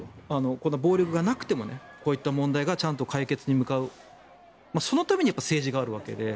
こんな暴力がなくてもこういった問題がちゃんと解決に向かうそのために政治があるわけで。